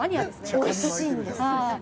おいしいんです